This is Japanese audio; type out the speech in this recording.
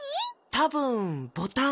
たぶんボタン。